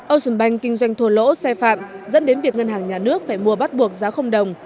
ocean bank kinh doanh thua lỗ xe phạm dẫn đến việc ngân hàng nhà nước phải mua bắt buộc giá không đồng